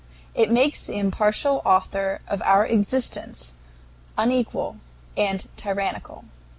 It makes the impartial Author of our existence unequal and tyrannical.